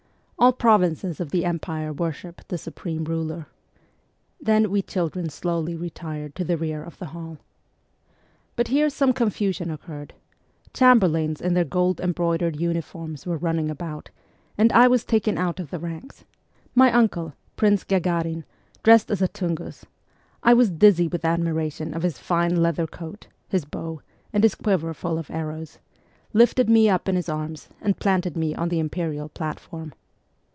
All provinces of the Empire worshipped the supreme ruler. Then we children slowly retired to the rear of the hall. But here some confusion occurred. Chamberlains in their gold embroidered uniforms were running about, and I was taken out of the ranks ; my uncle, Prince Gagarin, dressed as a Tungus (I was dizzy with admira tion of his fine leather coat, his bow, and his quiver full of arrows), lifted me up in his arms, and planted me on the imperial platform.